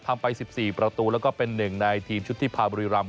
ทำไป๑๔ประตูแล้วก็เป็นหนึ่งในทีมชุดที่พาบุรีรำ